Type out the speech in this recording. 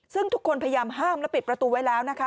ซึ่งทุกคนพยายามห้ามและปิดประตูไว้แล้วนะคะ